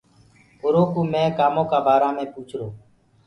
اُرو ڪوُ مي ڪآمونٚ ڪآ بآرآ مي پوُڇرو۔